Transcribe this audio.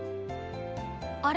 あれ？